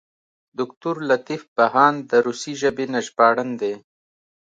دوکتور لطیف بهاند د روسي ژبې نه ژباړن دی.